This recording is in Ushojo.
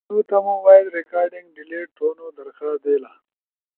تو تمو وائس ریکارڈنگ ڈیلیٹ تھونو درخواست دیلا